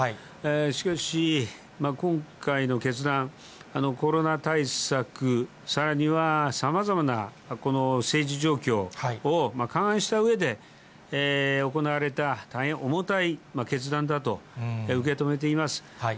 しかし、今回の決断、コロナ対策、さらにはさまざまな政治状況を勘案したうえで行われた、大変重たい決断だと受け止めています。